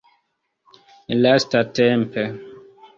lastatempe